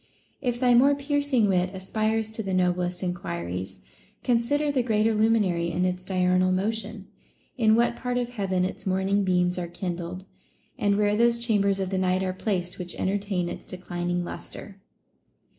If thy more piercing wit aspires to the noblest enquiries, consider the greater luminary in its INTO THINGS IMPERTINENT. 431 diurnal motion, in what part of heaven its morning beams are kindled, and where those chambers of the night are placed which entertain its declining lustre.